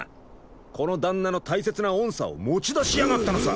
この旦那の大切な音叉を持ち出しやがったのさ。